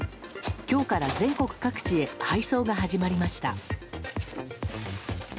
今日から全国各地へ配送が始まりました。